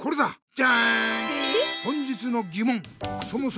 じゃん！